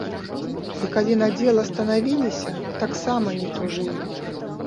І калі на дзела станавіліся, таксама не тужылі.